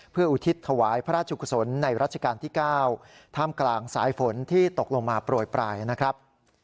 เพื่ออุทิศถวายพระราชกุศลในรัชกาลที่๙ท่ามกลางสายฝนที่ตกลงมาโปรยปลายนะครับ